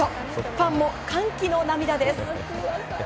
ファンも歓喜の涙です。